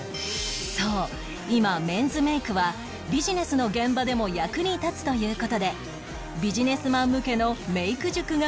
そう今メンズメイクはビジネスの現場でも役に立つという事でビジネスマン向けのメイク塾が急増しているんです